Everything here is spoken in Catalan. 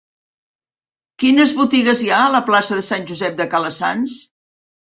Quines botigues hi ha a la plaça de Sant Josep de Calassanç?